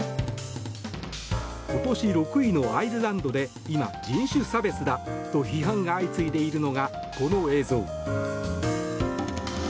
今年６位のアイルランドで今人種差別だと批判が相次いでいるのがこの映像。